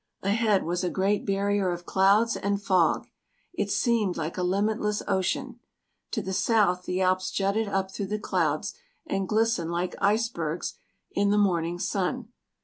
Ahead was a great barrier of clouds and fog. It seemed like a limitless ocean. To the south the Alps jutted up through the clouds and glistened like icebergs in the morning sun.